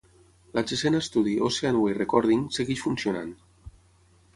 L'adjacent estudi Ocean Way Recording segueix funcionant.